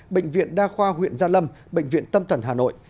bệnh viện đa khoa huyện gia lâm bệnh viện tâm thần hà nội